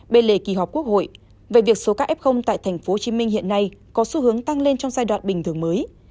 bên lề kỳ họp quốc hội về việc số các f tại tp hcm hiện nay có xu hướng tăng lên trong giai đoạn bình thường mới